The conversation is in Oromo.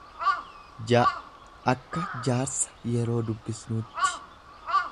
j akka jaarsa yeroo dubbisnuutti.